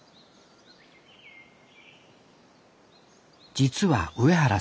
実は上原さん